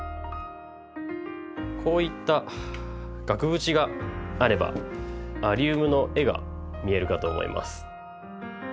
こういった額縁があればアリウムの絵が見えるかと思います。